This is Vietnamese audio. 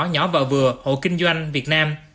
nhỏ và vừa hộ kinh doanh việt nam